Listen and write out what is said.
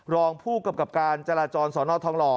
รองผู้กำกับการจราจรสอนอทองหล่อ